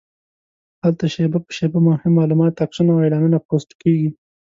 هلته شېبه په شېبه مهم معلومات، عکسونه او اعلانونه پوسټ کېږي.